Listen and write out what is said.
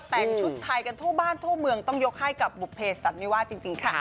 แต่งชุดไทยกันทั่วบ้านทั่วเมืองต้องยกให้กับบุภเพสันนิวาสจริงค่ะ